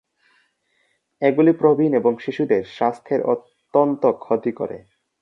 এগুলি প্রবীণ এবং শিশুদের স্বাস্থ্যের অত্যন্ত ক্ষতি করে।